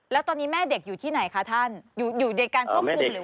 แล้วตอนนี้แม่เด็กอยู่ที่ไหนคะท่านอยู่ในการควบคุมหรือ